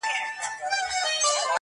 جهاني ما دي د خوبونو تعبیرونه کړي.!